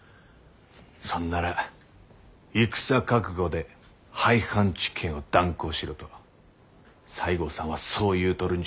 そんなら戦覚悟で廃藩置県を断行しろと西郷さんはそう言うとるんじゃ。